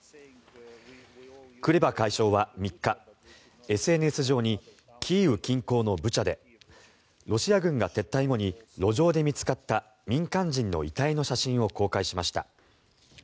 クレバ外相は３日、ＳＮＳ上にキーウ近郊のブチャでロシア軍が撤退後に路上で見つかった民間人の遺体の写真を公開しました。